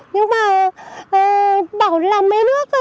nhưng mà bảo làm máy nước